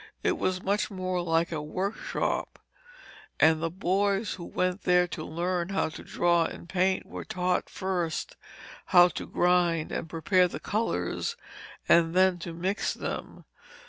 It was much more like a workshop, and the boys who went there to learn how to draw and paint were taught first how to grind and prepare the colours and then to mix them.